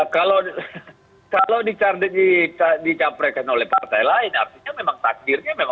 ya kalau dicapreskan oleh partai lain artinya memang takdirnya memang bukan